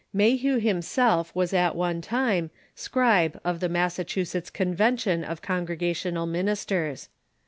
Mayhew himself was at one time scribe of the Massachusetts Convention of Congregational Ministers.